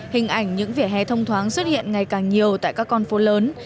hình ảnh những vỉa hè thông thoáng xuất hiện ngày càng nhiều tại các con phố lớn